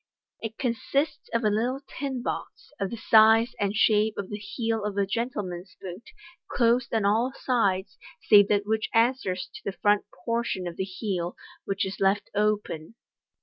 It consists of a little tin box, of the size and shape of the heel of a gentle man's boot, closed on all sides, save that which answers to the front portion of the heel, which is left open.